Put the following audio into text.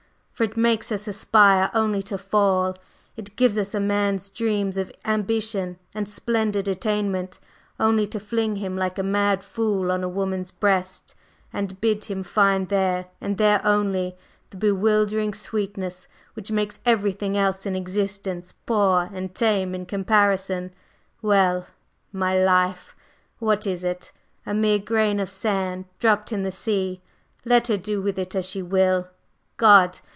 for it makes us aspire only to fall; it gives a man dreams of ambition and splendid attainment only to fling him like a mad fool on a woman's breast, and bid him find there, and there only, the bewildering sweetness which makes everything else in existence poor and tame in comparison. Well, well my life! What is it? A mere grain of sand dropped in the sea; let her do with it as she will. God!